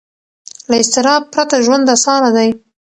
له اضطراب پرته ژوند اسانه دی.